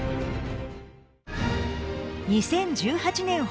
２０１８年